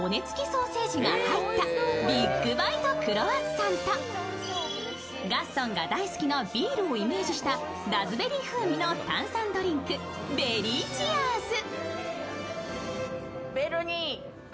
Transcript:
ソーセージが入ったビッグバイト・クロワッサンとガストンが大好きなビールをイメージしたラズベリー風味の炭酸ドリンクベリーチアーズ。